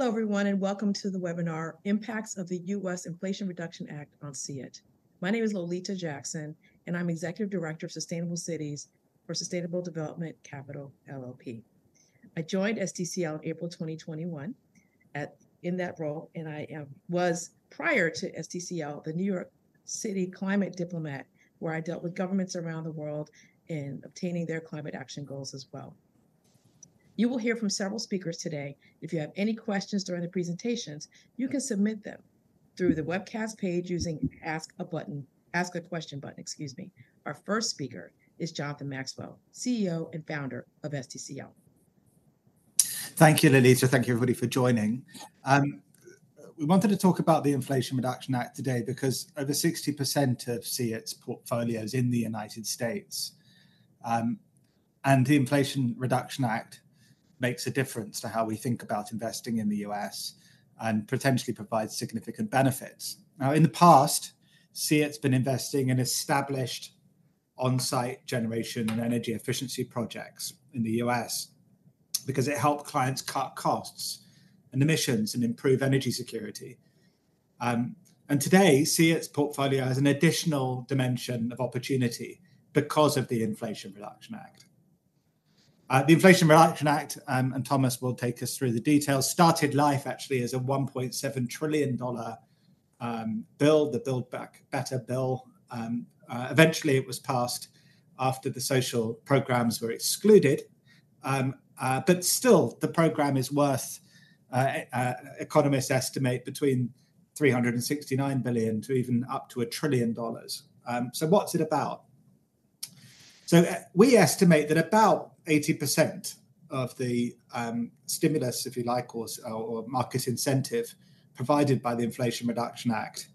Hello everyone, and welcome to the webinar, Impacts of the U.S. Inflation Reduction Act on SEIT. My name is Lolita Jackson, and I'm Executive Director of Sustainable Cities for Sustainable Development Capital LLP. I joined SDCL in April 2021 in that role, and I was, prior to SDCL, the New York City Climate Diplomat, where I dealt with governments around the world in obtaining their climate action goals as well. You will hear from several speakers today. If you have any questions during the presentations, you can submit them through the webcast page using the Ask a Question button, excuse me. Our first speaker is Jonathan Maxwell, CEO and founder of SDCL. Thank you, Lolita. Thank you, everybody, for joining. We wanted to talk about the Inflation Reduction Act today, because over 60% of SEIT's portfolio is in the United States. The Inflation Reduction Act makes a difference to how we think about investing in the U.S., and potentially provides significant benefits. Now, in the past, SEIT's been investing in established on-site generation and energy efficiency projects in the U.S., because it helped clients cut costs and emissions and improve energy security. Today, SEIT's portfolio has an additional dimension of opportunity because of the Inflation Reduction Act. The Inflation Reduction Act, and Thomas will take us through the details, started life actually as a $1.7 trillion bill, the Build Back Better bill. Eventually it was passed after the social programs were excluded. But still, the program is worth, economists estimate between $369 billion-$1 trillion. So what's it about? So, we estimate that about 80% of the stimulus, if you like, or market incentive provided by the Inflation Reduction Act,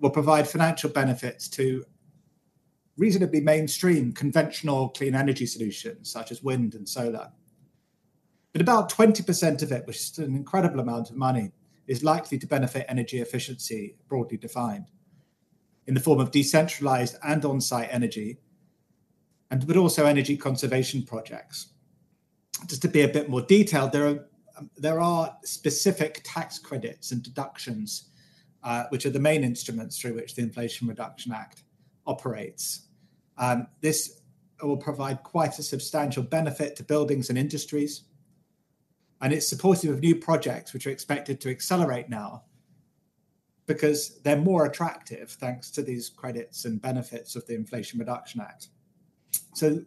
will provide financial benefits to reasonably mainstream conventional clean energy solutions, such as wind and solar. But about 20% of it, which is still an incredible amount of money, is likely to benefit energy efficiency, broadly defined, in the form of decentralized and on-site energy, and also energy conservation projects. Just to be a bit more detailed, there are specific tax credits and deductions, which are the main instruments through which the Inflation Reduction Act operates. This will provide quite a substantial benefit to buildings and industries, and it's supportive of new projects, which are expected to accelerate now because they're more attractive, thanks to these credits and benefits of the Inflation Reduction Act. So,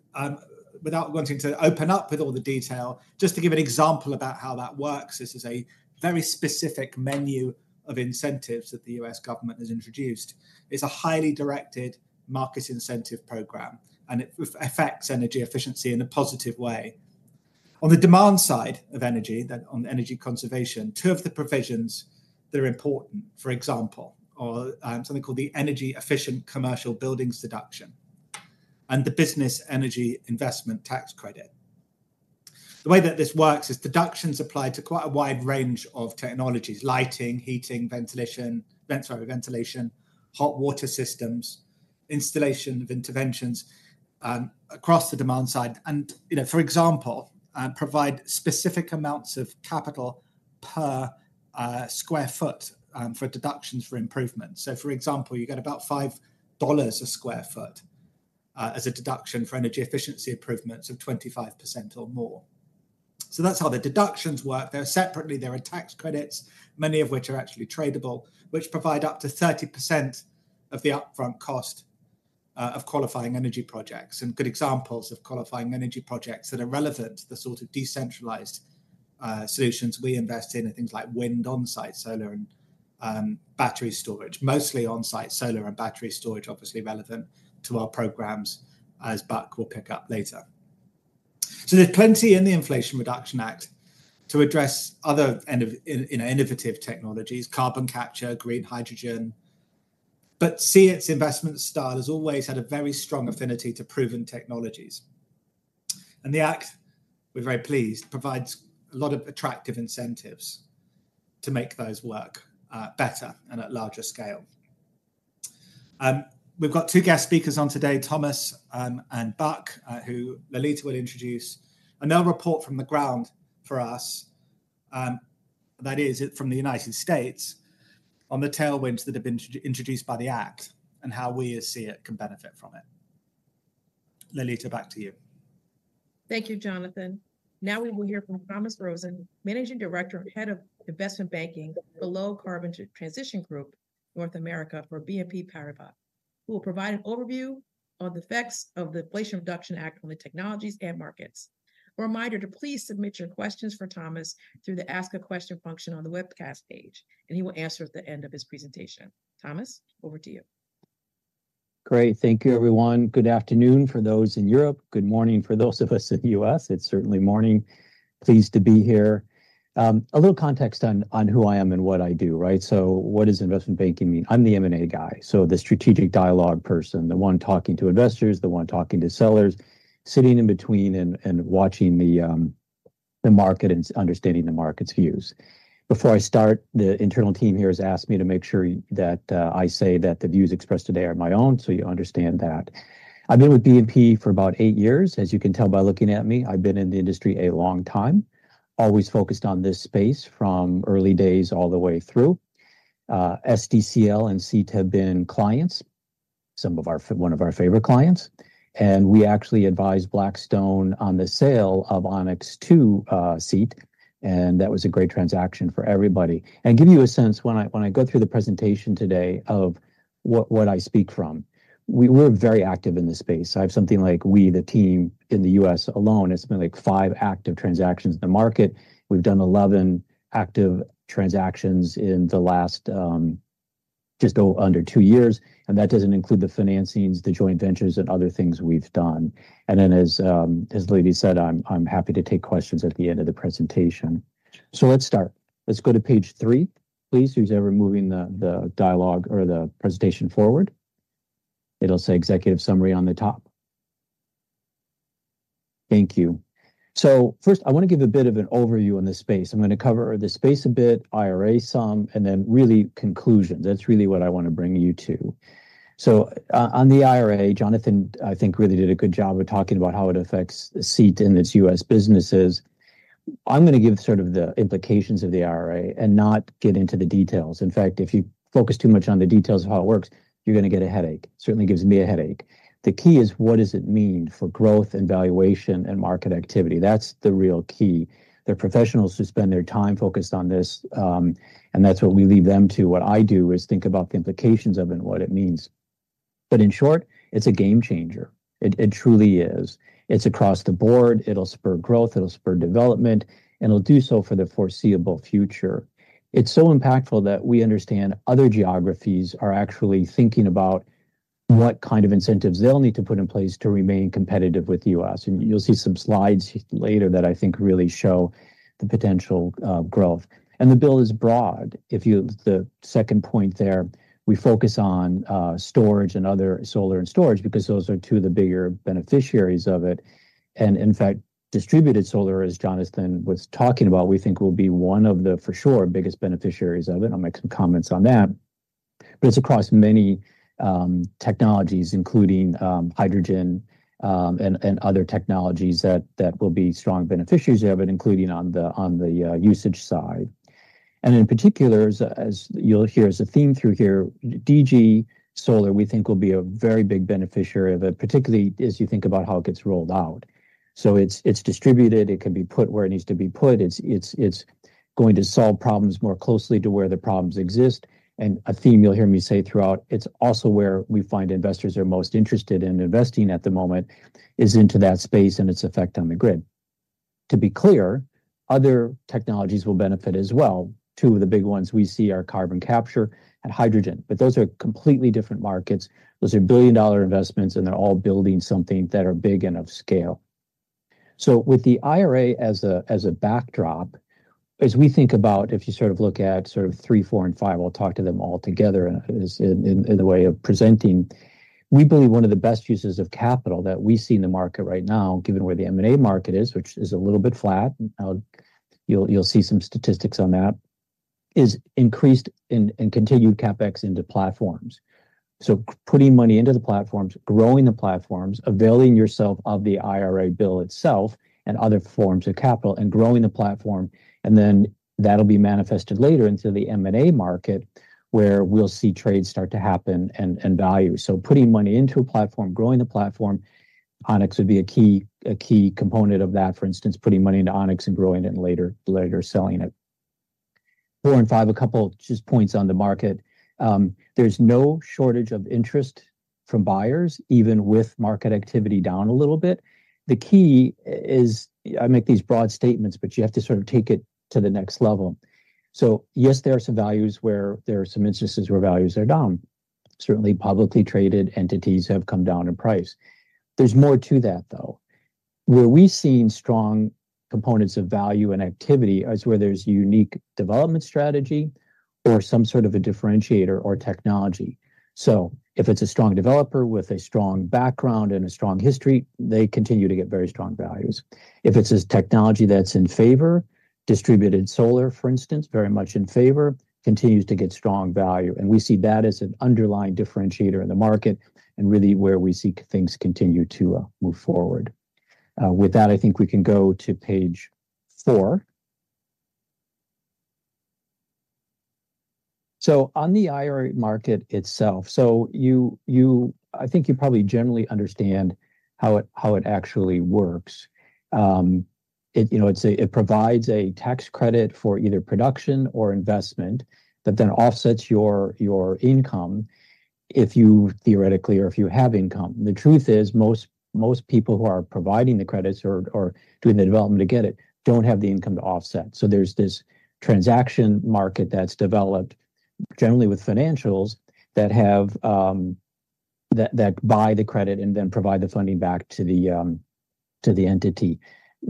without wanting to open up with all the detail, just to give an example about how that works, this is a very specific menu of incentives that the U.S. government has introduced. It's a highly directed market incentive program, and it affects energy efficiency in a positive way. On the demand side of energy, then on energy conservation, two of the provisions that are important, for example, are something called the Energy Efficient Commercial Buildings Deduction, and the Business Energy Investment Tax Credit. The way that this works is deductions apply to quite a wide range of technologies: lighting, heating, ventilation, hot water systems, installation of interventions, across the demand side, and, you know, for example, provide specific amounts of capital per, square foot, for deductions for improvements. So, for example, you get about $5 a sq ft, as a deduction for energy efficiency improvements of 25% or more. So that's how the deductions work. There are separately tax credits, many of which are actually tradable, which provide up to 30% of the upfront cost, of qualifying energy projects. And good examples of qualifying energy projects that are relevant to the sort of decentralized, solutions we invest in are things like wind on-site, solar and, battery storage. Mostly on-site solar and battery storage, obviously relevant to our programs, as Buck will pick up later. So there's plenty in the Inflation Reduction Act to address other innovative technologies, you know, carbon capture, green hydrogen, but SEIT's investment style has always had a very strong affinity to proven technologies. The Act, we're very pleased, provides a lot of attractive incentives to make those work better and at larger scale. We've got two guest speakers on today, Thomas and Buck, who Lolita will introduce, and they'll report from the ground for us, that is, from the United States, on the tailwinds that have been introduced by the Act and how we as SEIT can benefit from it. Lolita, back to you. Thank you, Jonathan. Now we will hear from Thomas Rosén, Managing Director and Head of Investment Banking, the Low Carbon Transition Group, North America for BNP Paribas, who will provide an overview on the effects of the Inflation Reduction Act on the technologies and markets. A reminder to please submit your questions for Thomas through the Ask a Question function on the webcast page, and he will answer at the end of his presentation. Thomas, over to you. Great. Thank you, everyone. Good afternoon, for those in Europe. Good morning, for those of us in the U.S., it's certainly morning. Pleased to be here. A little context on who I am and what I do, right? So what does investment banking mean? I'm the M&A guy, so the strategic dialogue person, the one talking to investors, the one talking to sellers, sitting in between and watching the market and understanding the market's views. Before I start, the internal team here has asked me to make sure that I say that the views expressed today are my own, so you understand that. I've been with BNP for about eight years. As you can tell by looking at me, I've been in the industry a long time, always focused on this space from early days all the way through.... SDCL and SEIT have been clients, some of our, one of our favorite clients, and we actually advised Blackstone on the sale of Onyx to SEIT, and that was a great transaction for everybody. Give you a sense, when I go through the presentation today, of what I speak from. We're very active in this space. I have something like we, the team in the U.S. alone, it's been, like, five active transactions in the market. We've done 11 active transactions in the last, just under two years, and that doesn't include the financings, the joint ventures, and other things we've done. And then as Lolita said, I'm happy to take questions at the end of the presentation. So let's start. Let's go to page three, please. Who's ever moving the dialogue or the presentation forward? It'll say executive summary on the top. Thank you. So first, I want to give a bit of an overview on this space. I'm going to cover the space a bit, IRA some, and then really conclusions. That's really what I want to bring you to. So on, on the IRA, Jonathan, I think, really did a good job of talking about how it affects SEIT and its U.S. businesses. I'm going to give sort of the implications of the IRA and not get into the details. In fact, if you focus too much on the details of how it works, you're going to get a headache. Certainly gives me a headache. The key is, what does it mean for growth and valuation and market activity? That's the real key. They're professionals who spend their time focused on this, and that's what we leave them to. What I do is think about the implications of it and what it means. But in short, it's a game changer. It, it truly is. It's across the board. It'll spur growth, it'll spur development, and it'll do so for the foreseeable future. It's so impactful that we understand other geographies are actually thinking about what kind of incentives they'll need to put in place to remain competitive with the U.S. And you'll see some slides later that I think really show the potential growth. And the bill is broad. If you, the second point there, we focus on storage and other solar and storage because those are two of the bigger beneficiaries of it. And in fact, distributed solar, as Jonathan was talking about, we think will be one of the, for sure, biggest beneficiaries of it. I'll make some comments on that. But it's across many technologies, including hydrogen and other technologies that will be strong beneficiaries of it, including on the usage side. And in particular, as you'll hear, as a theme through here, DG Solar, we think will be a very big beneficiary of it, particularly as you think about how it gets rolled out. So it's going to solve problems more closely to where the problems exist. And a theme you'll hear me say throughout, it's also where we find investors are most interested in investing at the moment, is into that space and its effect on the grid. To be clear, other technologies will benefit as well. Two of the big ones we see are carbon capture and hydrogen, but those are completely different markets. Those are billion-dollar investments, and they're all building something that are big and of scale. So with the IRA as a backdrop, as we think about, if you sort of look at three, four, and five, we'll talk to them all together in the way of presenting. We believe one of the best uses of capital that we see in the market right now, given where the M&A market is, which is a little bit flat, you'll see some statistics on that, is increased and continued CapEx into platforms. So putting money into the platforms, growing the platforms, availing yourself of the IRA bill itself and other forms of capital, and growing the platform, and then that'll be manifested later into the M&A market, where we'll see trades start to happen and value. So putting money into a platform, growing the platform, Onyx would be a key component of that. For instance, putting money into Onyx and growing it and later selling it. Four and five, a couple of points on the market. There's no shortage of interest from buyers, even with market activity down a little bit. The key is... I make these broad statements, but you have to sort of take it to the next level. So yes, there are some values where there are some instances where values are down. Certainly, publicly traded entities have come down in price. There's more to that, though. Where we've seen strong components of value and activity is where there's unique development strategy or some sort of a differentiator or technology. So if it's a strong developer with a strong background and a strong history, they continue to get very strong values. If it's a technology that's in favor, distributed solar, for instance, very much in favor, continues to get strong value, and we see that as an underlying differentiator in the market and really where we see things continue to move forward. With that, I think we can go to page four. So on the IRA market itself, so you, you, I think you probably generally understand how it, how it actually works. You know, it provides a tax credit for either production or investment that then offsets your income if you, theoretically, or if you have income. The truth is, most people who are providing the credits or doing the development to get it, don't have the income to offset. So there's this transaction market that's developed generally with financials that have that buy the credit and then provide the funding back to the entity,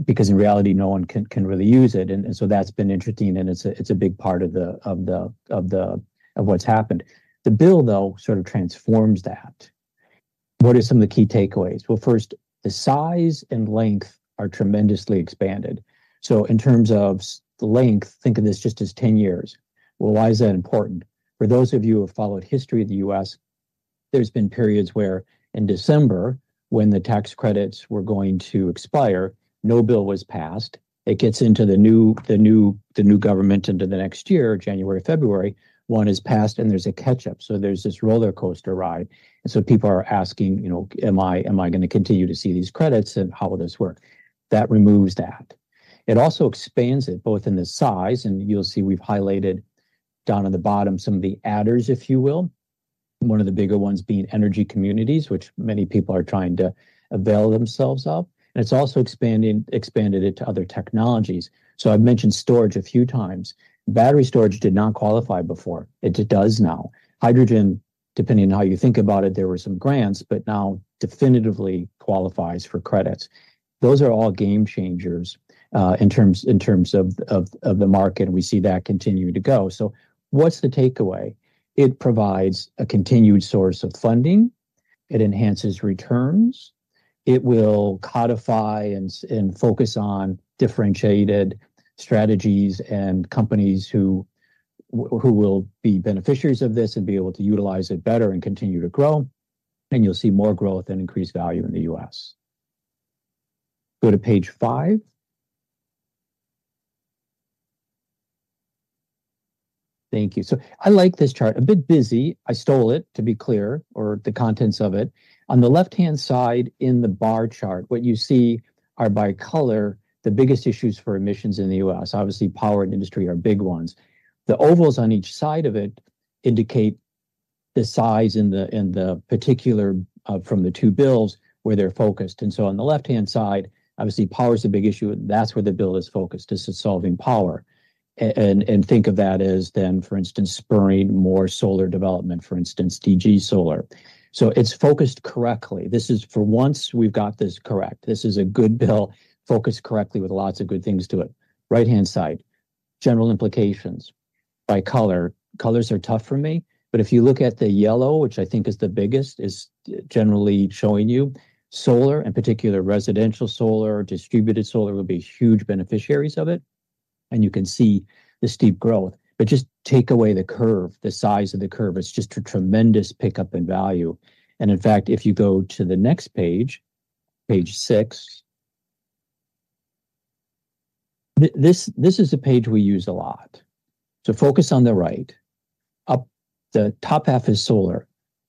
because in reality, no one can really use it. And so that's been interesting, and it's a big part of what's happened. The bill, though, sort of transforms that. What are some of the key takeaways? Well, first, the size and length are tremendously expanded. So in terms of length, think of this just as 10 years. Well, why is that important? For those of you who have followed history of the U.S.,... There have been periods where in December, when the tax credits were going to expire, no bill was passed. It gets into the new government into the next year, January, February, one is passed, and there's a catch-up. So there's this rollercoaster ride, and so people are asking, you know, "Am I gonna continue to see these credits, and how will this work?" That removes that. It also expands it both in the size, and you'll see we've highlighted down at the bottom some of the adders, if you will. One of the bigger ones being Energy Communities, which many people are trying to avail themselves of, and it's also expanding, expanded it to other technologies. So I've mentioned storage a few times. Battery storage did not qualify before; it does now. Hydrogen, depending on how you think about it, there were some grants, but now definitively qualifies for credits. Those are all game changers in terms of the market, and we see that continuing to go. So what's the takeaway? It provides a continued source of funding. It enhances returns. It will codify and focus on differentiated strategies and companies who will be beneficiaries of this and be able to utilize it better and continue to grow, and you'll see more growth and increased value in the U.S. Go to page five. Thank you. So I like this chart. A bit busy. I stole it, to be clear, or the contents of it. On the left-hand side, in the bar chart, what you see are, by color, the biggest issues for emissions in the U.S. Obviously, power and industry are big ones. The ovals on each side of it indicate the size and the particular from the two bills, where they're focused. And so on the left-hand side, obviously, power is a big issue, and that's where the bill is focused, is to solving power. And think of that as then, for instance, spurring more solar development, for instance, DG solar. So it's focused correctly. This is. For once, we've got this correct. This is a good bill, focused correctly with lots of good things to it. Right-hand side, general implications by color. Colors are tough for me, but if you look at the yellow, which I think is the biggest, is generally showing you solar, in particular, residential solar, distributed solar, will be huge beneficiaries of it, and you can see the steep growth. But just take away the curve, the size of the curve. It's just a tremendous pickup in value. And in fact, if you go to the next page, page six, this is a page we use a lot. So focus on the right. The top half is solar.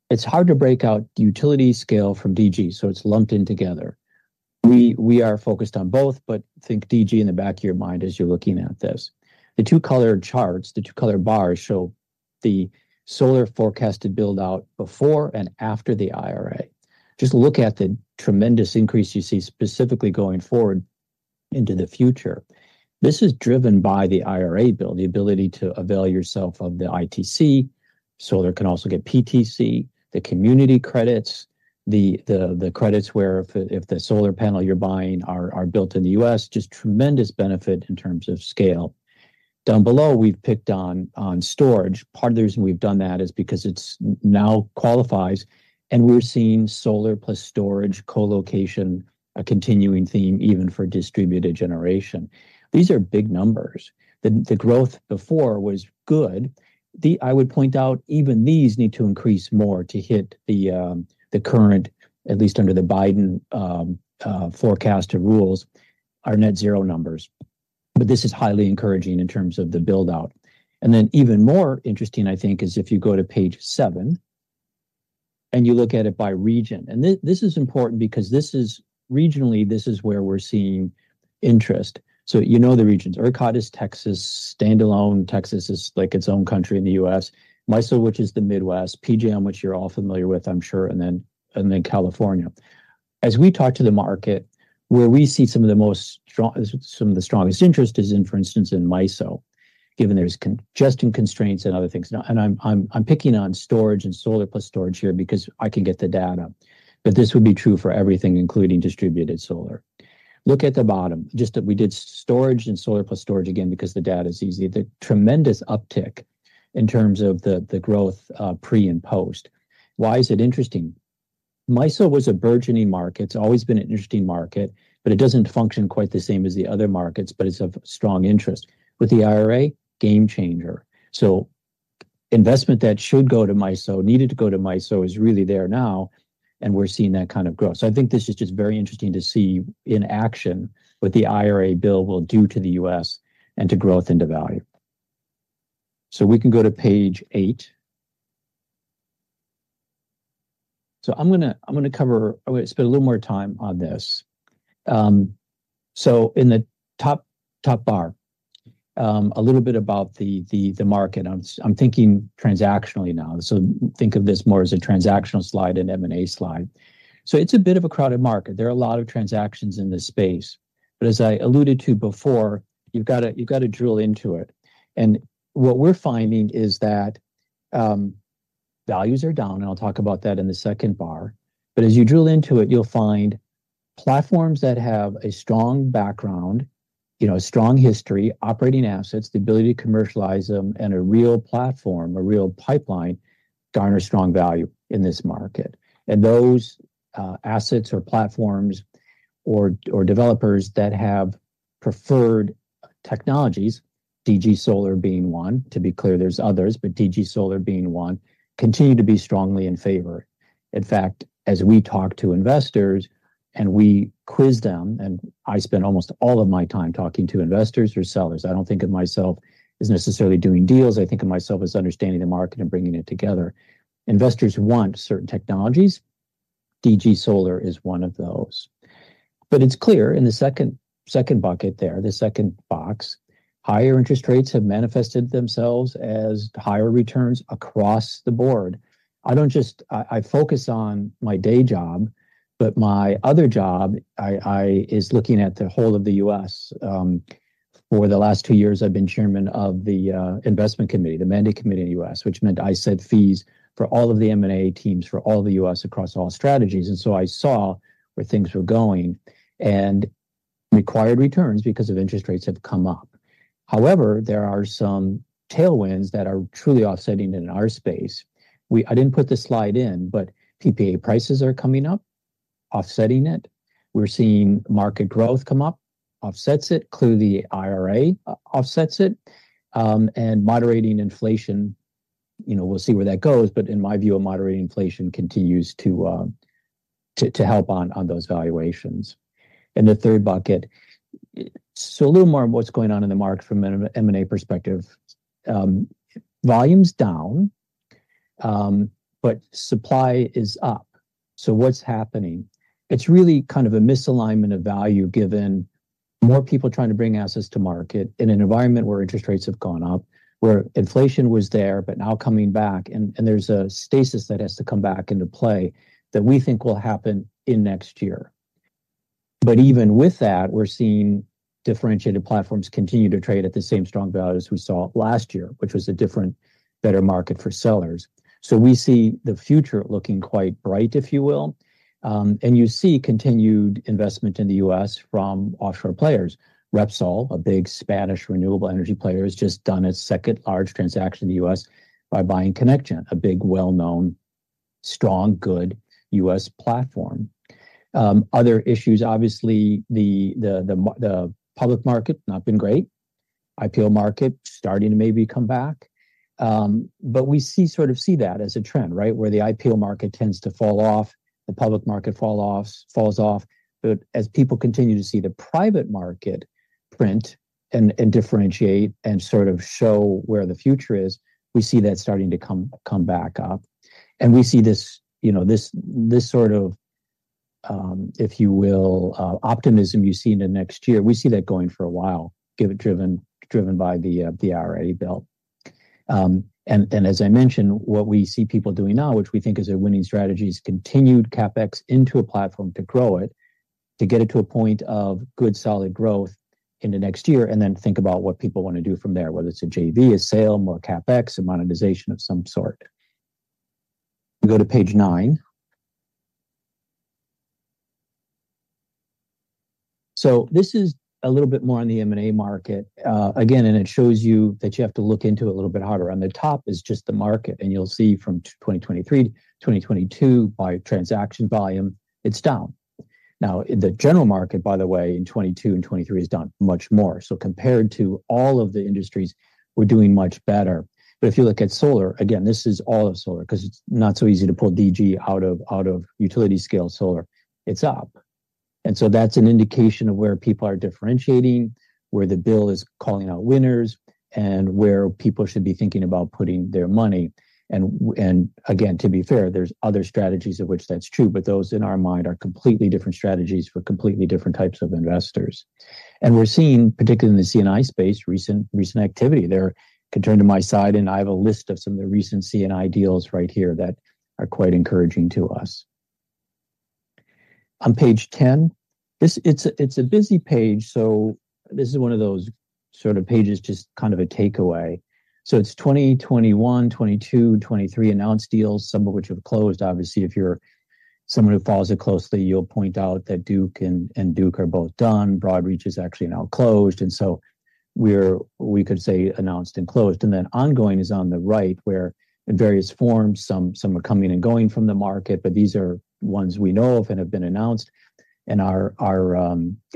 It's hard to break out utility scale from DG, so it's lumped in together. We are focused on both, but think DG in the back of your mind as you're looking at this. The two color charts, the two color bars, show the solar forecasted build-out before and after the IRA. Just look at the tremendous increase you see specifically going forward into the future. This is driven by the IRA Bill, the ability to avail yourself of the ITC. Solar can also get PTC, the community credits, the credits where if the solar panel you're buying are built in the US, just tremendous benefit in terms of scale. Down below, we've picked on storage. Part of the reason we've done that is because it's now qualifies, and we're seeing solar plus storage co-location, a continuing theme, even for distributed generation. These are big numbers. The growth before was good. I would point out, even these need to increase more to hit the current, at least under the Biden, forecasted rules, our net zero numbers. But this is highly encouraging in terms of the build-out. Even more interesting, I think, is if you go to page seven, and you look at it by region. This is important because regionally, this is where we're seeing interest. So you know the regions. ERCOT is Texas. Stand-alone Texas is like its own country in the U.S. MISO, which is the Midwest, PJM, which you're all familiar with, I'm sure, and then California. As we talk to the market, where we see some of the strongest interest is in, for instance, in MISO, given there's congestion constraints and other things. Now, and I'm picking on storage and solar plus storage here because I can get the data. But this would be true for everything, including distributed solar. Look at the bottom. Just that we did storage and solar plus storage, again, because the data is easy. The tremendous uptick in terms of the growth, pre- and post. Why is it interesting? MISO was a burgeoning market. It's always been an interesting market, but it doesn't function quite the same as the other markets, but it's of strong interest. With the IRA, game changer. So investment that should go to MISO, needed to go to MISO, is really there now, and we're seeing that kind of growth. So I think this is just very interesting to see in action what the IRA Bill will do to the U.S. and to growth and to value. So we can go to page eight. So I'm gonna, I'm gonna cover—I'm gonna spend a little more time on this. So in the top bar, a little bit about the market. I'm thinking transactionally now, so think of this more as a transactional slide, an M&A slide. So it's a bit of a crowded market. There are a lot of transactions in this space, but as I alluded to before, you've gotta drill into it. And what we're finding is that values are down, and I'll talk about that in the second bar. But as you drill into it, you'll find platforms that have a strong background, you know, a strong history, operating assets, the ability to commercialize them, and a real platform, a real pipeline, garner strong value in this market. And those assets or platforms or developers that have preferred technologies, DG Solar being one. To be clear, there's others, but DG Solar being one, continue to be strongly in favor. In fact, as we talk to investors and we quiz them, and I spend almost all of my time talking to investors or sellers. I don't think of myself as necessarily doing deals. I think of myself as understanding the market and bringing it together. Investors want certain technologies. DG Solar is one of those. But it's clear in the second, second bucket there, the second box, higher interest rates have manifested themselves as higher returns across the board. I don't just, I, I focus on my day job, but my other job, I, I, is looking at the whole of the U.S. For the last two years, I've been chairman of the investment committee, the M&A committee in the U.S., which meant I set fees for all of the M&A teams, for all the U.S., across all strategies. And so I saw where things were going, and required returns because of interest rates have come up. However, there are some tailwinds that are truly offsetting in our space. I didn't put this slide in, but PPA prices are coming up, offsetting it. We're seeing market growth come up, offsets it. Clearly, the IRA offsets it. And moderating inflation, you know, we'll see where that goes, but in my view, a moderating inflation continues to help on those valuations. And the third bucket, so a little more on what's going on in the market from an M&A perspective. Volume's down, but supply is up. So what's happening? It's really a misalignment of value, given more people trying to bring assets to market in an environment where interest rates have gone up, where inflation was there, but now coming back and there's a stasis that has to come back into play that we think will happen in next year. But even with that, we're seeing differentiated platforms continue to trade at the same strong value as we saw last year, which was a different, better market for sellers. So we see the future looking quite bright, if you will. And you see continued investment in the U.S. from offshore players. Repsol, a big Spanish renewable energy player, has just done its second large transaction in the U.S. by buying ConnectGen, a big, well-known, strong, good U.S. platform. Other issues, obviously, the public market not been great. IPO market starting to maybe come back. But we see sort of see that as a trend, right? Where the IPO market tends to fall off, the public market fall offs, falls off. But as people continue to see the private market print and, and differentiate and sort of show where the future is, we see that starting to come, come back up. And we see this, you know, this, this sort of, if you will, optimism you see in the next year. We see that going for a while, give it driven, driven by the, the IRA bill. As I mentioned, what we see people doing now, which we think is a winning strategy, is continued CapEx into a platform to grow it, to get it to a point of good, solid growth in the next year, and then think about what people want to do from there, whether it's a JV, a sale, more CapEx, a monetization of some sort. We go to page nine. So this is a little bit more on the M&A market. Again, it shows you that you have to look into it a little bit harder. On the top is just the market, and you'll see from 2023 to 2022, by transaction volume, it's down. Now, in the general market, by the way, in 2022 and 2023 is down much more. So compared to all of the industries, we're doing much better. But if you look at solar, again, this is all of solar, because it's not so easy to pull DG out of out of utility scale solar. It's up, and so that's an indication of where people are differentiating, where the bill is calling out winners, and where people should be thinking about putting their money. And again, to be fair, there's other strategies of which that's true, but those, in our mind, are completely different strategies for completely different types of investors. And we're seeing, particularly in the C&I space, recent activity there. Can turn to my side, and I have a list of some of the recent C&I deals right here that are quite encouraging to us. On page 10, this - it's a busy page, so this is one of those sort of pages, just kind of a takeaway. So it's 2021, 2022, 2023 announced deals, some of which have closed. Obviously, if you're someone who follows it closely, you'll point out that Duke and Duke are both done. Broad Reach is actually now closed, and so we're, we could say, announced and closed. And then ongoing is on the right, where in various forms, some are coming and going from the market, but these are ones we know of and have been announced, and are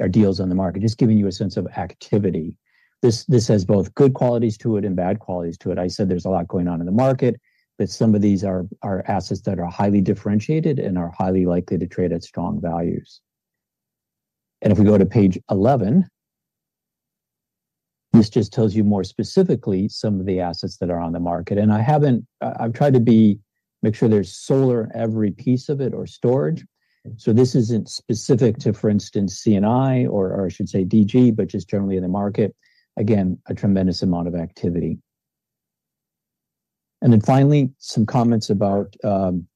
deals on the market, just giving you a sense of activity. This has both good qualities to it and bad qualities to it. I said there's a lot going on in the market, but some of these are assets that are highly differentiated and are highly likely to trade at strong values. If we go to page 11, this just tells you more specifically some of the assets that are on the market. I've tried to make sure there's solar, every piece of it, or storage. This isn't specific to, for instance, C&I or I should say DG, but just generally in the market. Again, a tremendous amount of activity. Then finally, some comments about DG,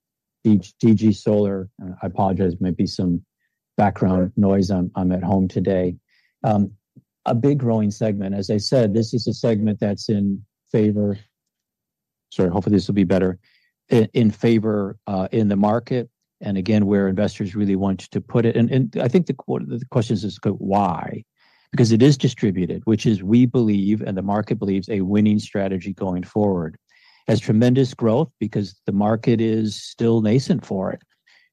DG Solar. I apologize, there might be some background noise. I'm at home today. A big growing segment, as I said, this is a segment that's in favor. Sorry, hopefully, this will be better. In favor in the market, and again, where investors really want to put it. I think the question is why? Because it is distributed, which is, we believe, and the market believes, a winning strategy going forward. Has tremendous growth because the market is still nascent for it.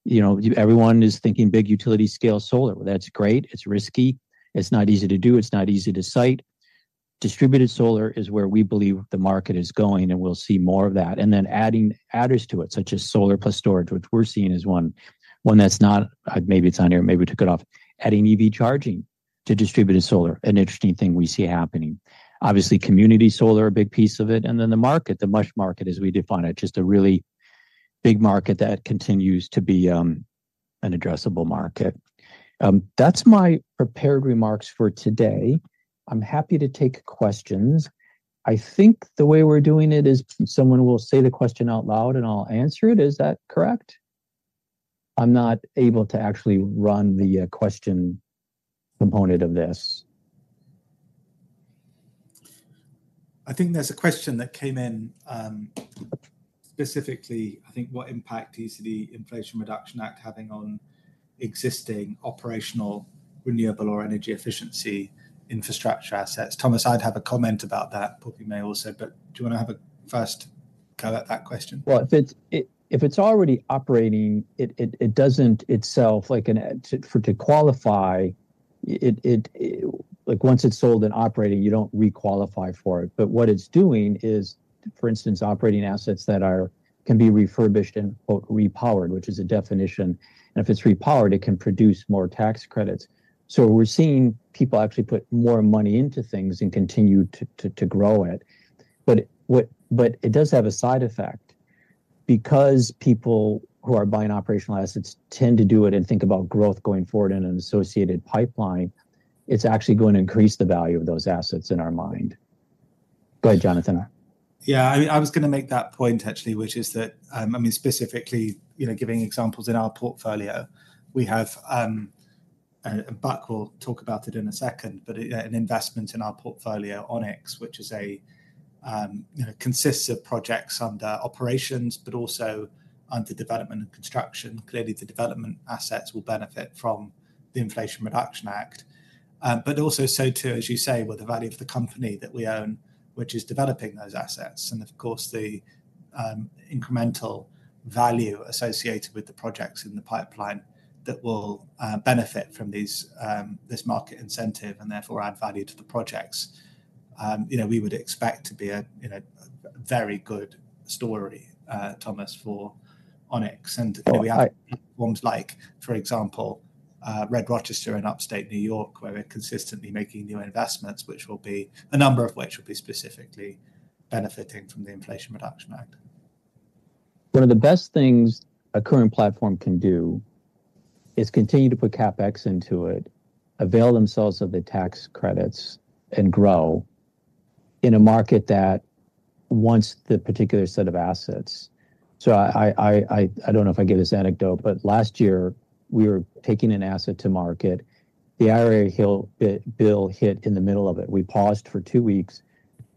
You know, everyone is thinking big utility scale solar. Well, that's great, it's risky, it's not easy to do, it's not easy to site. Distributed solar is where we believe the market is going, and we'll see more of that. And then adding adders to it, such as solar plus storage, which we're seeing is one, one that's not, maybe it's on here, maybe we took it off. Adding EV charging to distributed solar, an interesting thing we see happening. Obviously, community solar, a big piece of it, and then the market, the MUSH market, as we define it, just a really big market that continues to be, an addressable market. That's my prepared remarks for today. I'm happy to take questions. I think the way we're doing it is someone will say the question out loud, and I'll answer it. Is that correct? I'm not able to actually run the question component of this. I think there's a question that came in, specifically, I think, what impact is the Inflation Reduction Act having on existing operational, renewable, or energy efficiency infrastructure assets? Thomas, I'd have a comment about that. Poppy may also, but do you wanna have a first go at that question? Well, if it's already operating, it doesn't itself, like, to qualify, like, once it's sold and operating, you don't requalify for it. But what it's doing is, for instance, operating assets that can be refurbished and, quote, "repowered," which is a definition. And if it's repowered, it can produce more tax credits. So we're seeing people actually put more money into things and continue to grow it. But it does have a side effect. Because people who are buying operational assets tend to do it and think about growth going forward in an associated pipeline, it's actually going to increase the value of those assets in our mind. Go ahead, Jonathan. Yeah, I was gonna make that point actually, which is that, I mean, specifically, you know, giving examples in our portfolio, we have, and Buck will talk about it in a second, but, an investment in our portfolio, Onyx, which is a, you know, consists of projects under operations, but also under development and construction. Clearly, the development assets will benefit from the Inflation Reduction Act. But also so too, as you say, with the value of the company that we own, which is developing those assets, and of course, the, incremental value associated with the projects in the pipeline that will, benefit from these, this market incentive, and therefore add value to the projects. You know, we would expect to be a, you know, a very good story, Thomas, for Onyx. Oh, right. We have ones like, for example, Red Rochester in upstate New York, where we're consistently making new investments, which will be... a number of which will be specifically benefiting from the Inflation Reduction Act. One of the best things a current platform can do is continue to put CapEx into it, avail themselves of the tax credits, and grow in a market that wants that particular set of assets. So I don't know if I gave this anecdote, but last year, we were taking an asset to market. The IRA bill hit in the middle of it. We paused for two weeks.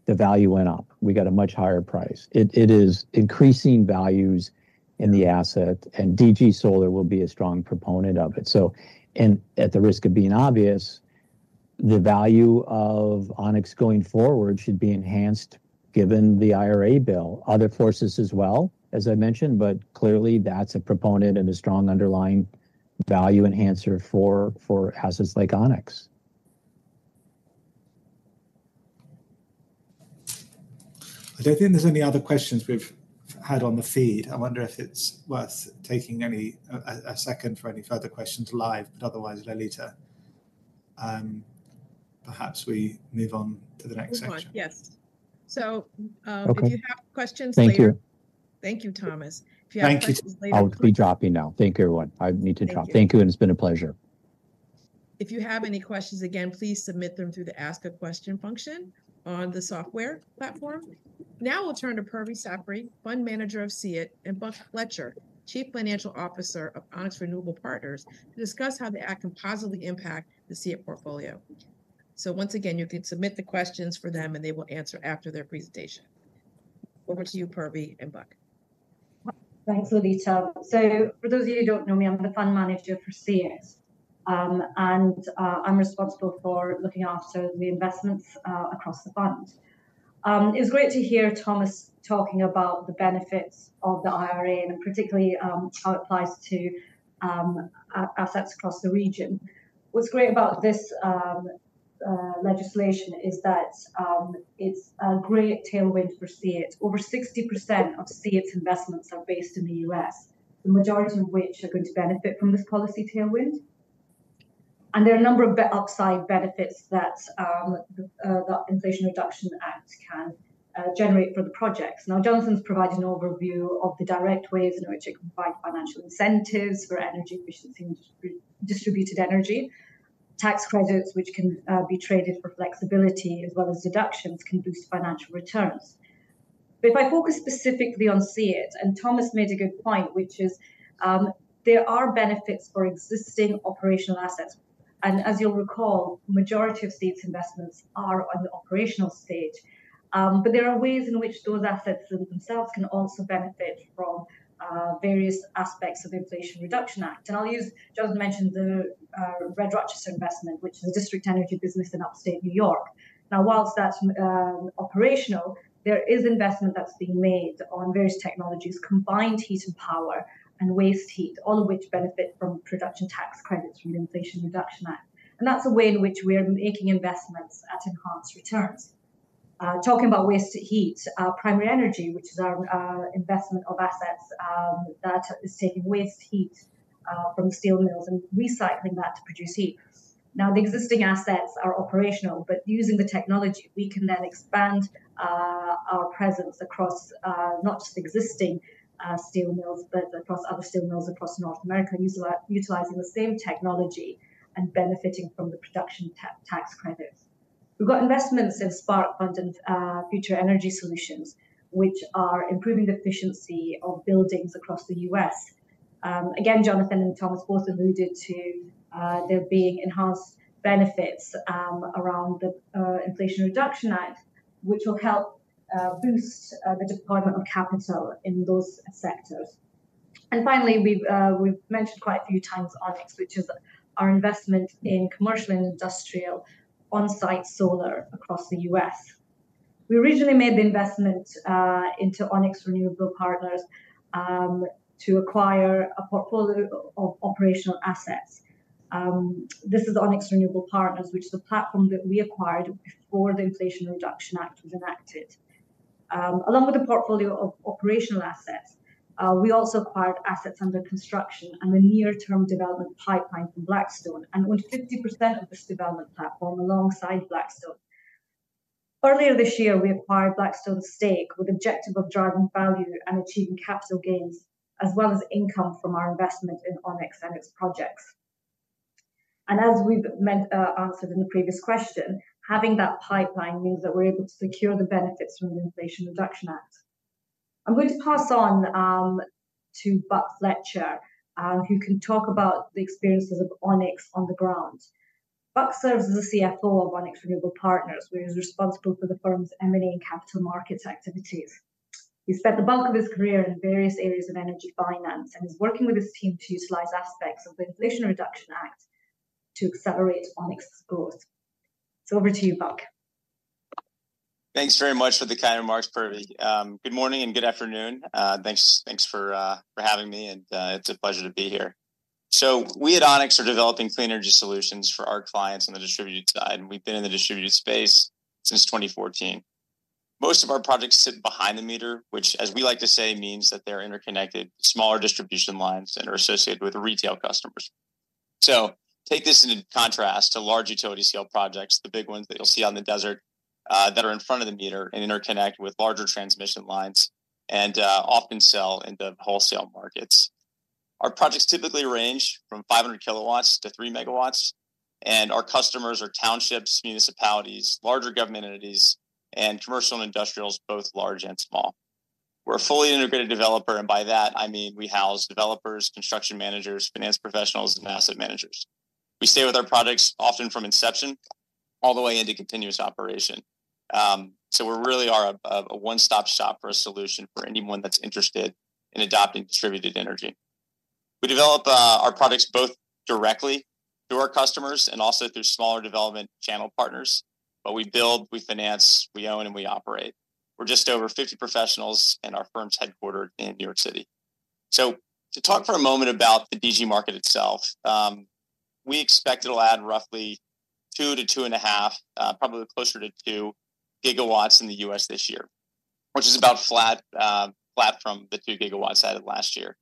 The value went up. We got a much higher price. It is increasing values in the asset, and DG Solar will be a strong proponent of it. So, and at the risk of being obvious, the value of Onyx going forward should be enhanced, given the IRA bill. Other forces as well, as I mentioned, but clearly, that's a proponent and a strong underlying value enhancer for assets like Onyx. I don't think there's any other questions we've had on the feed. I wonder if it's worth taking a second for any further questions live, but otherwise, Lolita, perhaps we move on to the next section. Move on. Yes. So, Okay. If you have questions later- Thank you. Thank you, Thomas. If you have questions later- Thank you. I'll be dropping now. Thank you, everyone. I need to drop. Thank you. Thank you, and it's been a pleasure. If you have any questions, again, please submit them through the Ask a Question function on the software platform. Now we'll turn to Purvi Sapre, Fund Manager of SEIT, and Buck Fletcher, Chief Financial Officer of Onyx Renewable Partners, to discuss how the act can positively impact the SEIT portfolio. Once again, you can submit the questions for them, and they will answer after their presentation. Over to you, Purvi and Buck. Thanks, Lolita. So for those of you who don't know me, I'm the fund manager for SEIT, and I'm responsible for looking after the investments across the fund. It was great to hear Thomas talking about the benefits of the IRA and particularly how it applies to assets across the region. What's great about this legislation is that it's a great tailwind for SEIT. Over 60% of SEIT's investments are based in the U.S., the majority of which are going to benefit from this policy tailwind. And there are a number of upside benefits that the Inflation Reduction Act can generate for the projects. Now, Jonathan's provided an overview of the direct ways in which it can provide financial incentives for energy efficiency and distributed energy. Tax credits, which can be traded for flexibility, as well as deductions, can boost financial returns. But if I focus specifically on SEIT, and Thomas made a good point, which is, there are benefits for existing operational assets. As you'll recall, majority of SEIT's investments are on the operational stage. But there are ways in which those assets themselves can also benefit from various aspects of Inflation Reduction Act. And I'll use Jonathan mentioned the Red Rochester investment, which is a district energy business in upstate New York. Now, while that's operational, there is investment that's being made on various technologies, combined heat and power and waste heat, all of which benefit from production tax credits through the Inflation Reduction Act. And that's a way in which we are making investments at enhanced returns. Talking about wasted heat, our Primary Energy, which is our investment of assets, that is taking waste heat from steel mills and recycling that to produce heat. Now, the existing assets are operational, but using the technology, we can then expand our presence across not just existing steel mills, but across other steel mills across North America, utilizing the same technology and benefiting from the production tax credits. We've got investments in Spark London, Future Energy Solutions, which are improving the efficiency of buildings across the U.S. Again, Jonathan and Thomas both alluded to there being enhanced benefits around the Inflation Reduction Act, which will help boost the deployment of capital in those sectors. And finally, we've mentioned quite a few times Onyx, which is our investment in commercial and industrial on-site solar across the U.S. We originally made the investment into Onyx Renewable Partners to acquire a portfolio of operational assets. This is Onyx Renewable Partners, which is the platform that we acquired before the Inflation Reduction Act was enacted. Along with the portfolio of operational assets, we also acquired assets under construction and the near-term development pipeline from Blackstone, and owned 50% of this development platform alongside Blackstone. Earlier this year, we acquired Blackstone's stake with objective of driving value and achieving capital gains, as well as income from our investment in Onyx and its projects. And as we've answered in the previous question, having that pipeline means that we're able to secure the benefits from the Inflation Reduction Act. I'm going to pass on to Buck Fletcher, who can talk about the experiences of Onyx on the ground. Buck serves as the CFO of Onyx Renewable Partners, where he's responsible for the firm's M&A and capital markets activities. He spent the bulk of his career in various areas of energy finance and is working with his team to utilize aspects of the Inflation Reduction Act to accelerate Onyx's growth. Over to you, Buck. Thanks very much for the kind remarks, Purvi. Good morning and good afternoon. Thanks, thanks for having me, and it's a pleasure to be here. So we at Onyx are developing clean energy solutions for our clients on the distributed side, and we've been in the distributed space since 2014. Most of our projects sit behind the meter, which, as we like to say, means that they're interconnected, smaller distribution lines that are associated with retail customers. So take this in contrast to large utility scale projects, the big ones that you'll see out in the desert, that are in front of the meter and interconnect with larger transmission lines and often sell into wholesale markets. Our projects typically range from 500 kW to 3 MW, and our customers are townships, municipalities, larger government entities, and commercial and industrials, both large and small. We're a fully integrated developer, and by that I mean we house developers, construction managers, finance professionals, and asset managers. We stay with our products often from inception all the way into continuous operation. So we really are a one-stop shop for a solution for anyone that's interested in adopting distributed energy. We develop our products both directly to our customers and also through smaller development channel partners. But we build, we finance, we own, and we operate. We're just over 50 professionals, and our firm's headquartered in New York City. So to talk for a moment about the DG market itself, we expect it'll add roughly 2-2.5, probably closer to two in the U.S. this year, which is about flat, flat from the 2 GW added last year.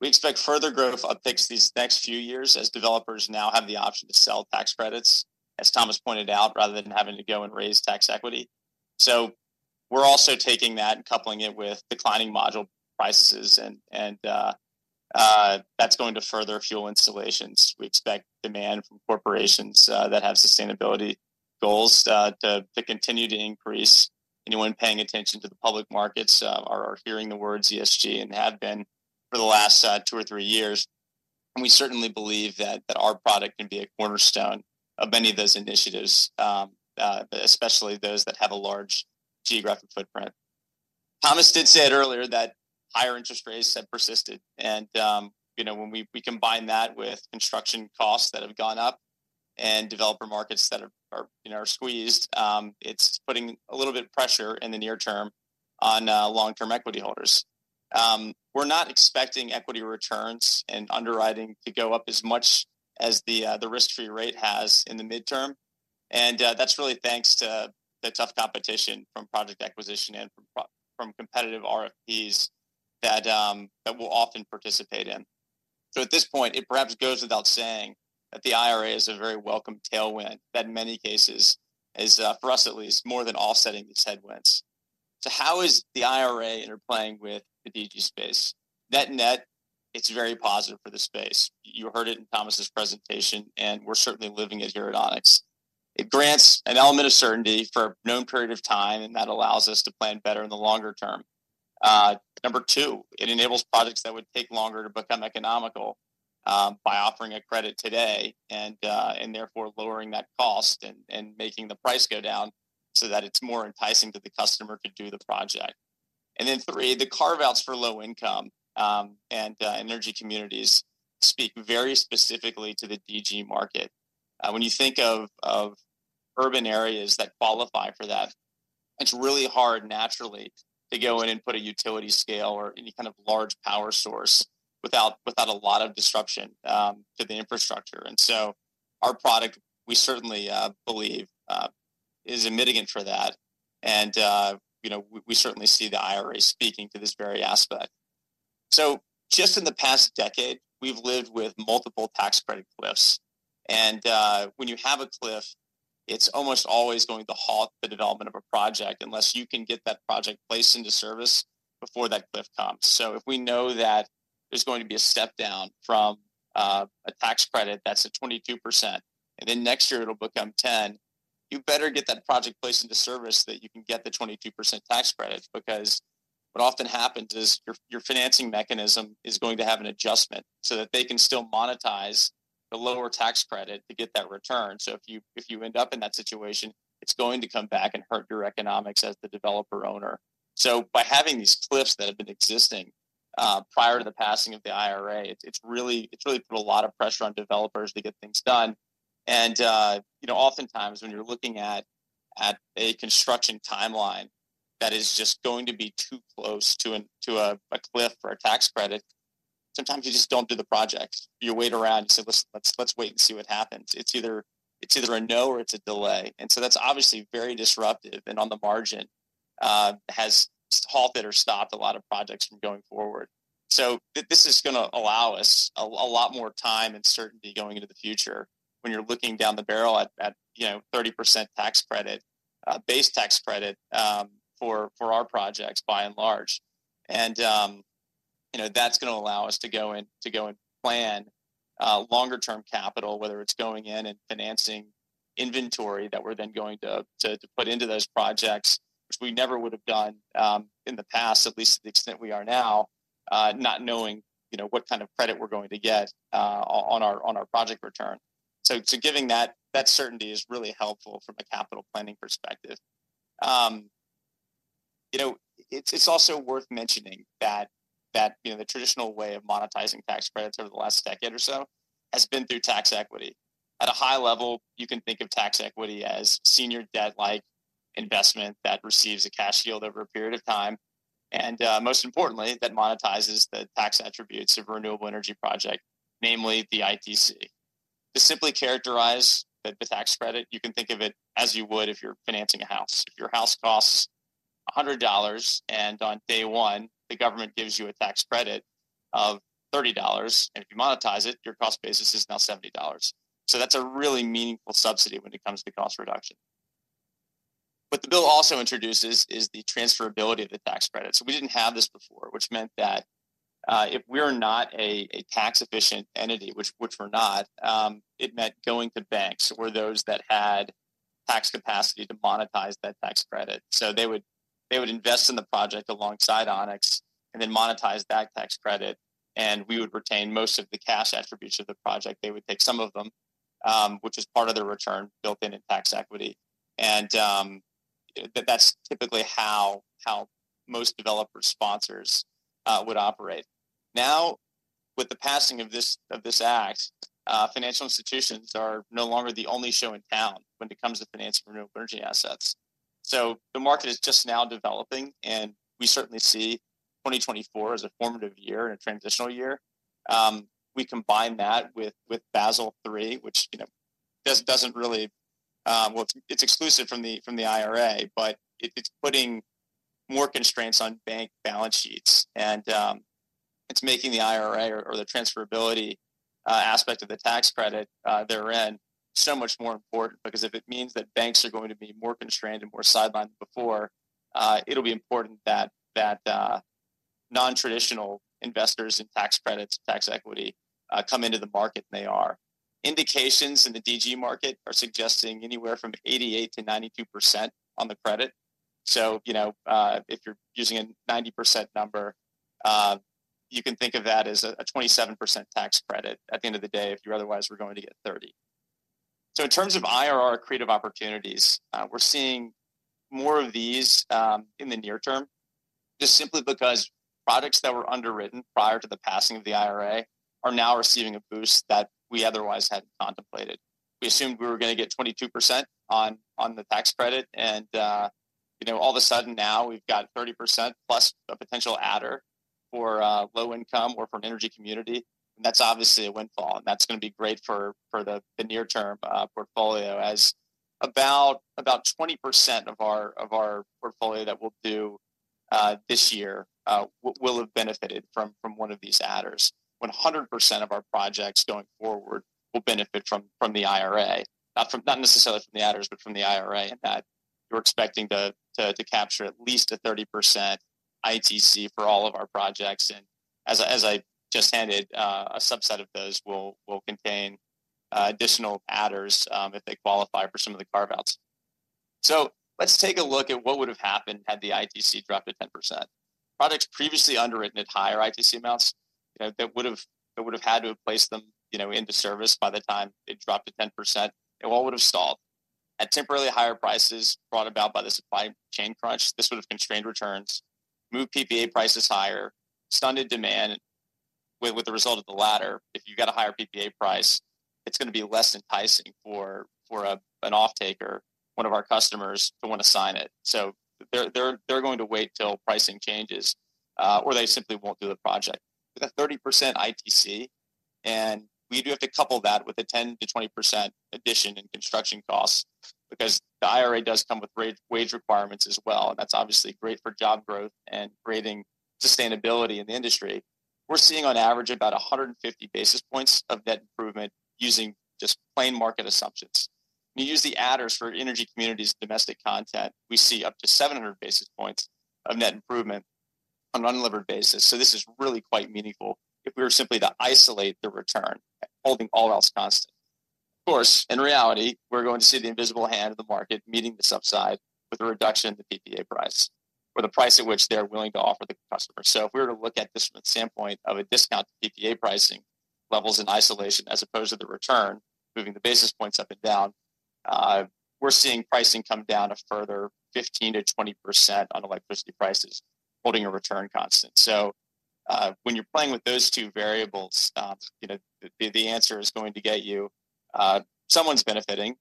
We expect further growth upticks these next few years as developers now have the option to sell tax credits, as Thomas pointed out, rather than having to go and raise tax equity. So we're also taking that and coupling it with declining module prices, and that's going to further fuel installations. We expect demand from corporations that have sustainability goals to continue to increase. Anyone paying attention to the public markets are hearing the words ESG and have been for the last two or three years. We certainly believe that our product can be a cornerstone of many of those initiatives, especially those that have a large geographic footprint. Thomas did say it earlier that higher interest rates have persisted, and you know, when we combine that with construction costs that have gone up and developer markets that are, you know, squeezed, it's putting a little bit of pressure in the near term on long-term equity holders. We're not expecting equity returns and underwriting to go up as much as the risk-free rate has in the midterm. And that's really thanks to the tough competition from project acquisition and from competitive RFPs that we'll often participate in. So at this point, it perhaps goes without saying that the IRA is a very welcome tailwind that in many cases is, for us at least, more than offsetting these headwinds. So how is the IRA interplaying with the DG space? Net-net, it's very positive for the space. You heard it in Thomas's presentation, and we're certainly living it here at Onyx. It grants an element of certainty for a known period of time, and that allows us to plan better in the longer term. Number two, it enables projects that would take longer to become economical, by offering a credit today and therefore lowering that cost and making the price go down so that it's more enticing to the customer to do the project. And then three, the carve-outs for low income and energy communities speak very specifically to the DG market. When you think of urban areas that qualify for that, it's really hard naturally to go in and put a utility scale or any kind of large power source without a lot of disruption to the infrastructure. And so our product, we certainly believe, is a mitigant for that, and you know, we certainly see the IRA speaking to this very aspect. So just in the past decade, we've lived with multiple tax credit cliffs, and when you have a cliff, it's almost always going to halt the development of a project unless you can get that project placed into service before that cliff comes. So if we know that there's going to be a step down from a tax credit that's 22%, and then next year it'll become 10%, you better get that project placed into service that you can get the 22% tax credit, because what often happens is your financing mechanism is going to have an adjustment so that they can still monetize the lower tax credit to get that return. So if you end up in that situation, it's going to come back and hurt your economics as the developer owner. So by having these cliffs that have been existing prior to the passing of the IRA, it's really put a lot of pressure on developers to get things done. Oftentimes when you're looking at a construction timeline, that is just going to be too close to a cliff or a tax credit. Sometimes you just don't do the project. You wait around and say, "Let's wait and see what happens." It's either a no or it's a delay, and so that's obviously very disruptive, and on the margin, has halted or stopped a lot of projects from going forward. So this is going to allow us a lot more time and certainty going into the future when you're looking down the barrel at, you know, 30% tax credit, base tax credit, for our projects, by and large. You know, that's going to allow us to go in, to go and plan longer term capital, whether it's going in and financing inventory that we're then going to put into those projects, which we never would have done in the past, at least to the extent we are now, not knowing, you know, what kind of credit we're going to get on our project return. So, giving that certainty is really helpful from a capital planning perspective. You know, it's also worth mentioning that, you know, the traditional way of monetizing tax credits over the last decade or so has been through tax equity. At a high level, you can think of tax equity as senior debt-like investment that receives a cash yield over a period of time, and, most importantly, that monetizes the tax attributes of a renewable energy project, namely the ITC. To simply characterize the, the tax credit, you can think of it as you would if you're financing a house. If your house costs $100, and on day one, the government gives you a tax credit of $30, and if you monetize it, your cost basis is now $70. So that's a really meaningful subsidy when it comes to cost reduction. What the bill also introduces is the transferability of the tax credit. So we didn't have this before, which meant that, if we're not a tax-efficient entity, which we're not, it meant going to banks or those that had tax capacity to monetize that tax credit. So they would invest in the project alongside Onyx and then monetize that tax credit, and we would retain most of the cash attributes of the project. They would take some of them, which is part of their return built in, in tax equity. That's typically how most developer sponsors would operate. Now, with the passing of this act, financial institutions are no longer the only show in town when it comes to financing renewable energy assets. So the market is just now developing, and we certainly see 2024 as a formative year and a transitional year. We combine that with Basel III, which, you know, doesn't really, well, it's exclusive from the IRA, but it's putting more constraints on bank balance sheets, and it's making the IRA or the transferability aspect of the tax credit therein so much more important. Because if it means that banks are going to be more constrained and more sidelined than before, it'll be important that non-traditional investors in tax credits, tax equity, come into the market, and they are. Indications in the DG market are suggesting anywhere from 88%-92% on the credit. So, you know, if you're using a 90% number, you can think of that as a 27% tax credit at the end of the day, if you otherwise were going to get 30%. So in terms of IRR creative opportunities, we're seeing more of these, in the near term, just simply because products that were underwritten prior to the passing of the IRA are now receiving a boost that we otherwise hadn't contemplated. We assumed we were going to get 22% on, on the tax credit and, you know, all of a sudden now we've got 30% plus a potential adder for, low income or for an energy community, and that's obviously a windfall, and that's going to be great for, for the, the near term, portfolio, as about, about 20% of our, of our portfolio that we'll do, this year, will, will have benefited from, from one of these adders. 100% of our projects going forward will benefit from the IRA, not necessarily from the adders, but from the IRA, in that we're expecting to capture at least a 30% ITC for all of our projects. And as I just hinted, a subset of those will contain additional adders if they qualify for some of the carve-outs. So let's take a look at what would have happened had the ITC dropped to 10%. Products previously underwritten at higher ITC amounts, you know, that would've had to have placed them, you know, into service by the time it dropped to 10%, it all would have stalled. At temporarily higher prices brought about by the supply chain crunch, this would have constrained returns, moved PPA prices higher, stunted demand with the result of the latter. If you've got a higher PPA price, it's going to be less enticing for an offtaker, one of our customers, to want to sign it. So they're going to wait till pricing changes, or they simply won't do the project.... with a 30% ITC, and we do have to couple that with a 10%-20% addition in construction costs, because the IRA does come with wage requirements as well, and that's obviously great for job growth and creating sustainability in the industry. We're seeing on average about 150 basis points of net improvement using just plain market assumptions. When you use the adders for Energy Communities' domestic content, we see up to 700 basis points of net improvement on an unlevered basis. So this is really quite meaningful if we were simply to isolate the return, holding all else constant. Of course, in reality, we're going to see the invisible hand of the market meeting the subsidy with a reduction in the PPA price, or the price at which they're willing to offer the customer. So if we were to look at this from the standpoint of a discount to PPA pricing levels in isolation, as opposed to the return, moving the basis points up and down, we're seeing pricing come down a further 15%-20% on electricity prices, holding a return constant. So, when you're playing with those two variables, you know, the answer is going to get you someone's benefiting.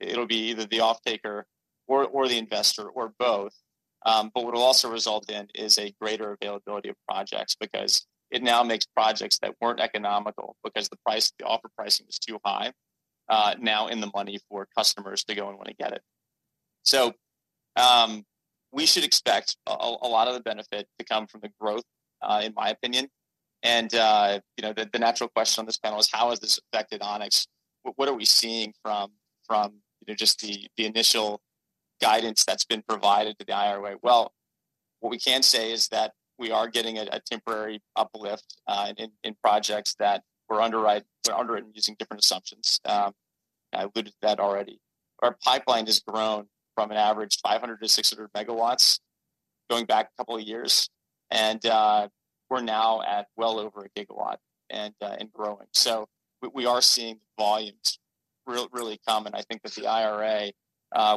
It'll be either the offtaker or the investor, or both. But what it'll also result in is a greater availability of projects, because it now makes projects that weren't economical, because the price, the offer pricing was too high, now in the money for customers to go and want to get it. So, we should expect a lot of the benefit to come from the growth, in my opinion. And, you know, the natural question on this panel is: How has this affected Onyx? What are we seeing from, you know, just the initial guidance that's been provided to the IRA? Well, what we can say is that we are getting a temporary uplift in projects that were underwritten using different assumptions. I alluded to that already. Our pipeline has grown from an average 500-600 MW, going back a couple of years, and we're now at well over 1 GW and growing. So we are seeing volumes really come, and I think that the IRA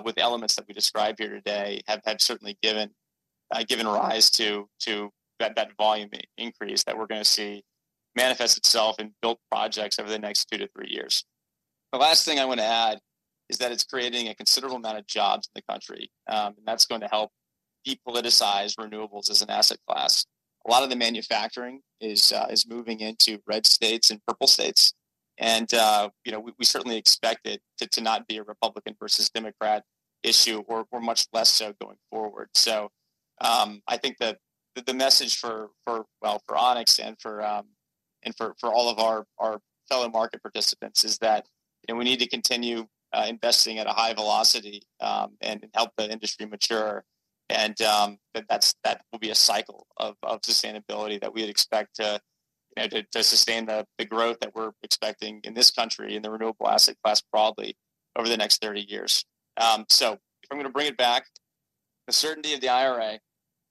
with elements that we described here today have certainly given rise to that volume increase that we're going to see manifest itself in built projects over the next 2-3 years. The last thing I want to add is that it's creating a considerable amount of jobs in the country, and that's going to help depoliticize renewables as an asset class. A lot of the manufacturing is moving into red states and purple states, and you know, we certainly expect it to not be a Republican versus Democrat issue, or much less so going forward. So, I think that the message for, well, for Onyx and for all of our fellow market participants is that, you know, we need to continue investing at a high velocity, and help the industry mature. And, that will be a cycle of sustainability that we'd expect to, you know, to sustain the growth that we're expecting in this country, in the renewable asset class, broadly, over the next 30 years. So if I'm going to bring it back, the certainty of the IRA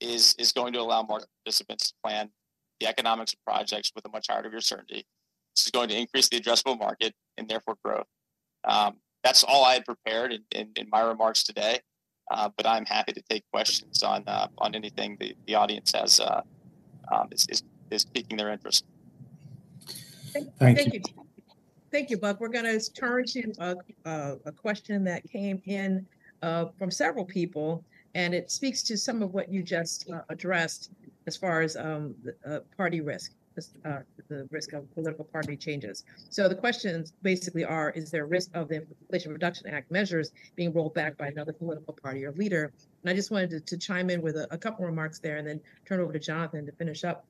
is going to allow more participants to plan the economics of projects with a much higher degree of certainty. This is going to increase the addressable market and therefore growth. That's all I had prepared in my remarks today, but I'm happy to take questions on anything the audience has is piquing their interest. Thank you. Thank you. Thank you, Buck. We're going to turn to a question that came in from several people, and it speaks to some of what you just addressed as far as the party risk, the risk of political party changes. So the questions basically are: Is there a risk of the Inflation Reduction Act measures being rolled back by another political party or leader? And I just wanted to chime in with a couple of remarks there and then turn it over to Jonathan to finish up.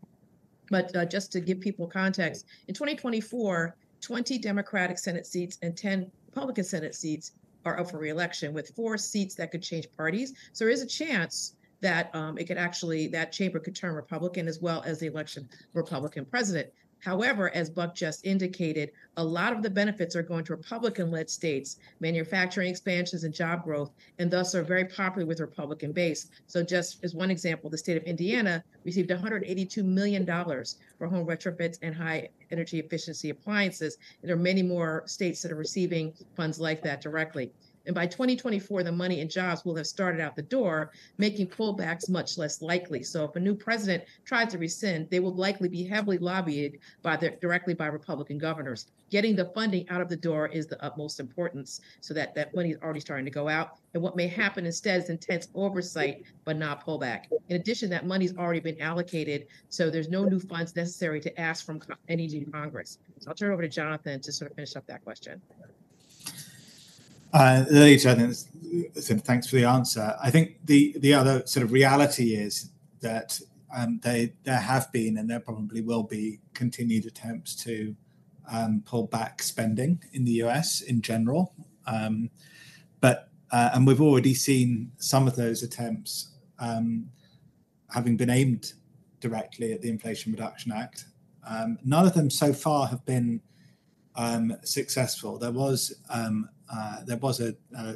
But just to give people context, in 2024, 20 Democratic Senate seats and 10 Republican Senate seats are up for re-election, with 4 seats that could change parties. So there is a chance that it could actually... that chamber could turn Republican as well as the election of a Republican president. However, as Buck just indicated, a lot of the benefits are going to Republican-led states, manufacturing expansions and job growth, and thus are very popular with the Republican base. So just as one example, the state of Indiana received $182 million for home retrofits and high energy efficiency appliances. There are many more states that are receiving funds like that directly. And by 2024, the money and jobs will have started out the door, making pullbacks much less likely. So if a new president tried to rescind, they would likely be heavily lobbied by the, directly by Republican governors. Getting the funding out of the door is the utmost importance so that that money is already starting to go out, and what may happen instead is intense oversight, but not pullback. In addition, that money's already been allocated, so there's no new funds necessary to ask from any Congress. So I'll turn it over to Jonathan to sort of finish up that question. Ladies, I think, so thanks for the answer. I think the other sort of reality is that there have been, and there probably will be, continued attempts to pull back spending in the U.S. in general. But we've already seen some of those attempts having been aimed directly at the Inflation Reduction Act. None of them so far have been successful. There was a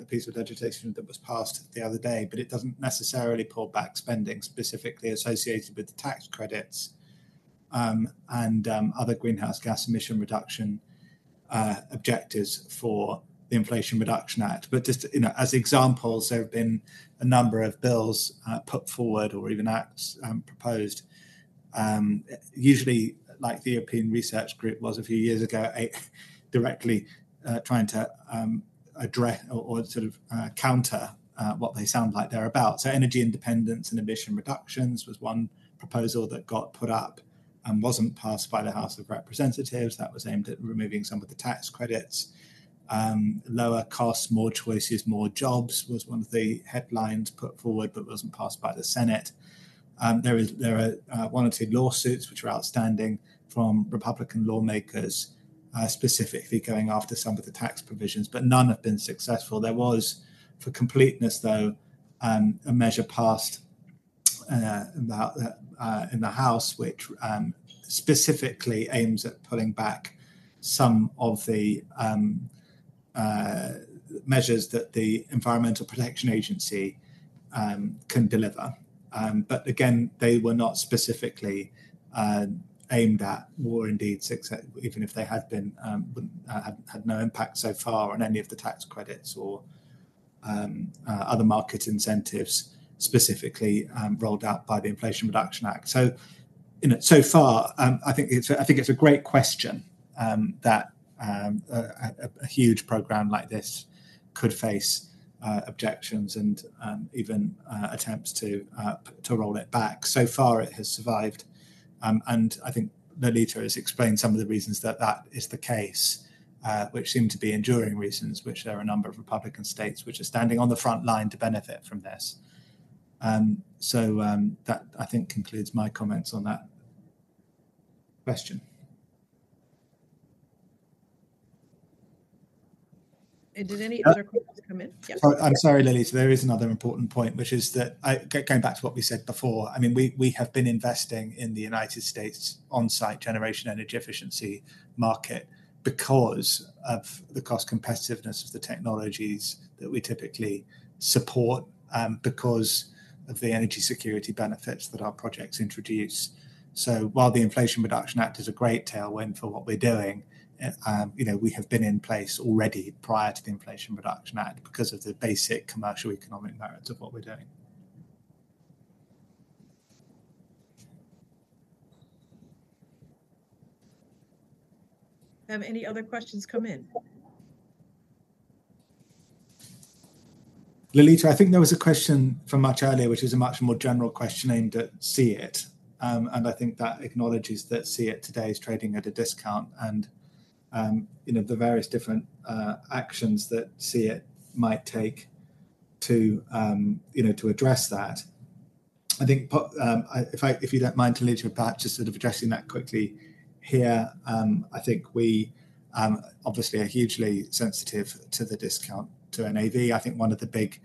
piece of legislation that was passed the other day, but it doesn't necessarily pull back spending specifically associated with the tax credits and other greenhouse gas emission reduction objectives for the Inflation Reduction Act. But just, you know, as examples, there have been a number of bills put forward or even acts proposed, usually, like the European Research Group was a few years ago, directly trying to address or sort of counter what they sound like they're about. So energy independence and emission reductions was one proposal that got put up and wasn't passed by the House of Representatives. That was aimed at removing some of the tax credits. Lower costs, more choices, more jobs, was one of the headlines put forward, but wasn't passed by the Senate. There are one or two lawsuits which are outstanding from Republican lawmakers, specifically going after some of the tax provisions, but none have been successful. There was, for completeness, though, a measure passed, in the House, which specifically aims at pulling back some of the measures that the Environmental Protection Agency can deliver. But again, they were not specifically aimed at our renewables success, even if they had been, had no impact so far on any of the tax credits or other market incentives, specifically rolled out by the Inflation Reduction Act. So, you know, so far, I think it's, I think it's a great question, that a huge program like this could face objections and even attempts to roll it back. So far, it has survived, and I think Lolita has explained some of the reasons that that is the case, which seem to be enduring reasons, which there are a number of Republican states which are standing on the front line to benefit from this. So, that, I think, concludes my comments on that question. Did any other questions come in? Yes. I'm sorry, Lolita, there is another important point, which is that, going back to what we said before, I mean, we have been investing in the United States on-site generation energy efficiency market because of the cost competitiveness of the technologies that we typically support, because of the energy security benefits that our projects introduce. So while the Inflation Reduction Act is a great tailwind for what we're doing, you know, we have been in place already prior to the Inflation Reduction Act because of the basic commercial economic merits of what we're doing. Any other questions come in? Lolita, I think there was a question from much earlier, which is a much more general question aimed at SEIT. I think that acknowledges that SEIT today is trading at a discount and, you know, the various different actions that SEIT might take to, you know, to address that. I think, I, if you don't mind, Lolita, perhaps just sort of addressing that quickly here. I think we obviously are hugely sensitive to the discount to NAV. I think one of the big,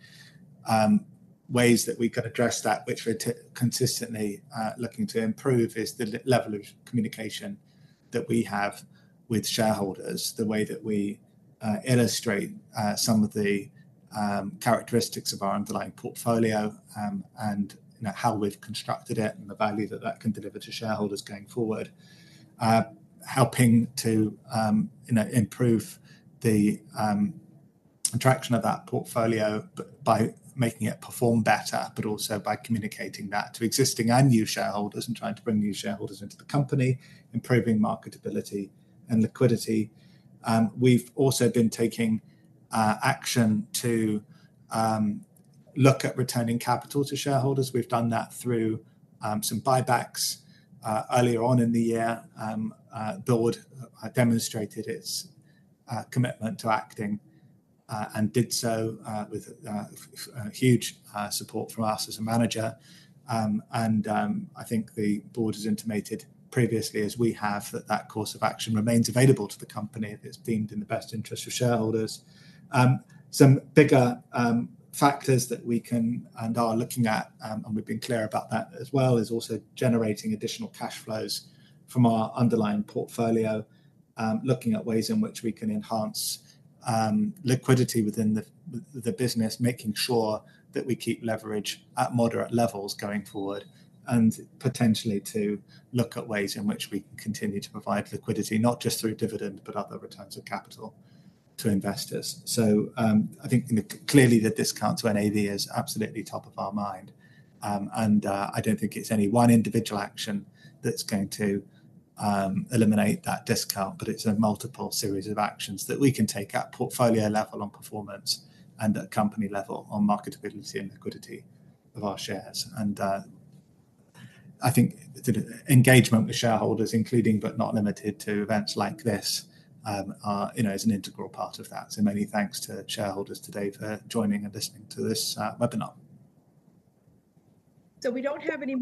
ways that we could address that, which we're consistently, looking to improve, is the level of communication that we have with shareholders, the way that we, illustrate, some of the, characteristics of our underlying portfolio, and you know, how we've constructed it, and the value that that can deliver to shareholders going forward. Helping to, you know, improve the, attraction of that portfolio, by making it perform better, but also by communicating that to existing and new shareholders and trying to bring new shareholders into the company, improving marketability and liquidity. We've also been taking, action to, look at returning capital to shareholders. We've done that through, some buybacks, earlier on in the year. The board demonstrated its commitment to acting and did so with huge support from us as a manager. I think the board has intimated previously, as we have, that that course of action remains available to the company if it's deemed in the best interest of shareholders. Some bigger factors that we can and are looking at, and we've been clear about that as well, is also generating additional cash flows from our underlying portfolio. Looking at ways in which we can enhance liquidity within the business, making sure that we keep leverage at moderate levels going forward, and potentially to look at ways in which we can continue to provide liquidity, not just through dividend, but other returns of capital to investors. I think clearly the discount to NAV is absolutely top of our mind. I don't think it's any one individual action that's going to eliminate that discount, but it's a multiple series of actions that we can take at portfolio level on performance, and at company level on marketability and liquidity of our shares. I think the engagement with shareholders, including but not limited to events like this, are, you know, is an integral part of that. Many thanks to shareholders today for joining and listening to this, webinar. So we don't have any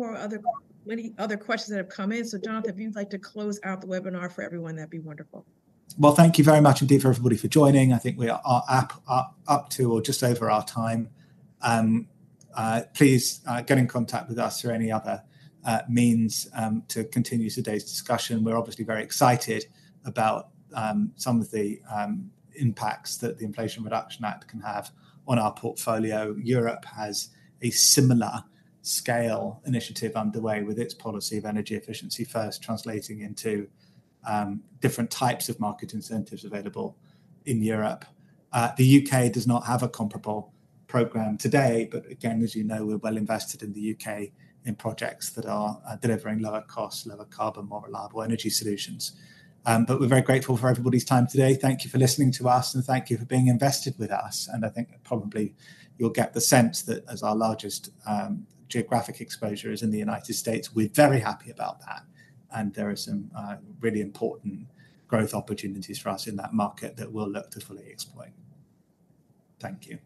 other questions that have come in. So Jonathan, if you'd like to close out the webinar for everyone, that'd be wonderful. Well, thank you very much indeed for everybody for joining. I think we are up to or just over our time. Please get in contact with us through any other means to continue today's discussion. We're obviously very excited about some of the impacts that the Inflation Reduction Act can have on our portfolio. Europe has a similar scale initiative underway, with its policy of energy efficiency first translating into different types of market incentives available in Europe. The U.K. does not have a comparable program today, but again, as you know, we're well invested in the U.K. in projects that are delivering lower cost, lower carbon, more reliable energy solutions. But we're very grateful for everybody's time today. Thank you for listening to us, and thank you for being invested with us. I think probably you'll get the sense that as our largest geographic exposure is in the United States, we're very happy about that, and there are some really important growth opportunities for us in that market that we'll look to fully exploit. Thank you.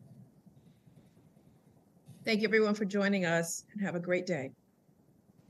Thank you everyone for joining us, and have a great day.